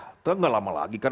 itu gak lama lagi kan